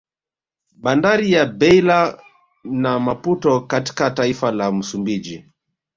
Bandari ya Beila na Maputo katka taifa la Msumbiji